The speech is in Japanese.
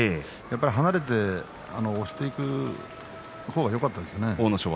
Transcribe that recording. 離れて阿武咲押していくのがよかったですね。